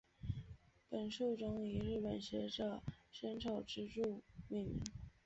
本树种以日本学者森丑之助命名。